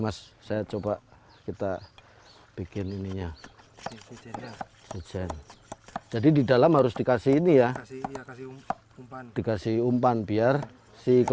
mas saya coba kita bikin ininya hujan jadi di dalam harus dikasih ini ya kasih umpan dikasih umpan biar si ke